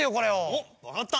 おっわかった。